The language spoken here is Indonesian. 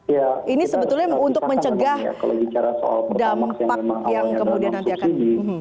ya kita tidak bisa mencabar ya kalau bicara soal pertamax yang memang awalnya adalah subsidi